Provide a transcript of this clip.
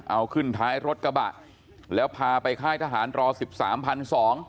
เอาขึ้นท้ายรถกระบะแล้วพาไปค่ายทหารรอ๑๓๒๐๐บาท